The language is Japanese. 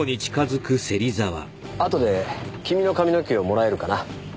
あとで君の髪の毛をもらえるかな？